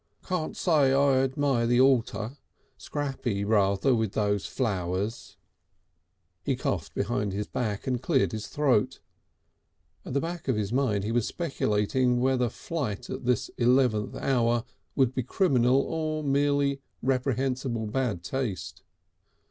"Can't say I admire the altar. Scrappy rather with those flowers." He coughed behind his hand and cleared his throat. At the back of his mind he was speculating whether flight at this eleventh hour would be criminal or merely reprehensible bad taste.